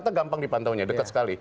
terima kasih pak jamal